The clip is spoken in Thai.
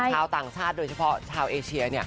ชาวต่างชาติโดยเฉพาะชาวเอเชีย